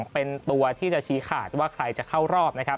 เป็นตัวที่จะชี้ขาดว่าใครจะเข้ารอบนะครับ